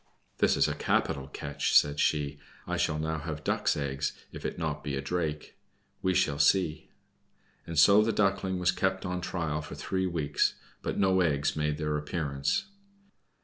"This is a capital catch," said she, "I shall now have Duck's eggs, if it be not a Drake. We shall see." And so the Duckling was kept on trial for three weeks, but no eggs made their appearance.